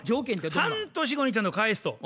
半年後にちゃんと返すと。